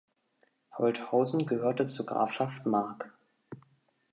Holthausen gehörte zur Grafschaft Mark.